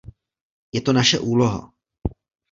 Je to naše úloha.